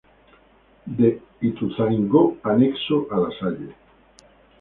De Ituzaingó Anexo a Lasalle.